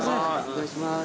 お願いします。